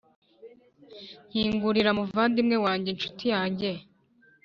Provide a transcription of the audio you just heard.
«Nkingurira, muvandimwe wanjye, ncuti yanjye,